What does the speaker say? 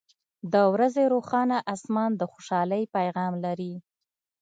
• د ورځې روښانه آسمان د خوشحالۍ پیغام لري.